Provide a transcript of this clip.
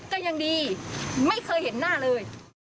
เห็นไหมอย่าเป็นปวดกันหน่อย